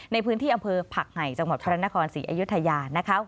ในพื้นที่อำเภอผักไห่จังหวัดพระนครศรีอยุธยานะคะ